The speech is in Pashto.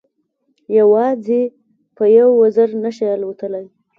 یوازې په یوه وزر نه شي الوتلای.